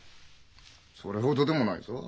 それほどでもないぞ。